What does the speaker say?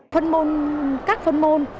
phân môn các phân môn